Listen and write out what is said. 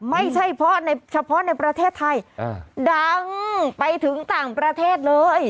ไม่ใช่เพราะในเฉพาะในประเทศไทยดังไปถึงต่างประเทศเลย